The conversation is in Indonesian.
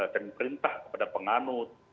dan perintah kepada penganut